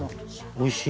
おいしい？